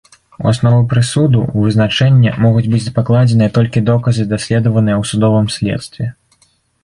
У аснову прысуду, вызначэння могуць быць пакладзеныя толькі доказы даследаваныя ў судовым следстве.